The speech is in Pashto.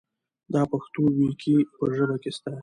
دا پښتو وييکي په ژبه کې سته.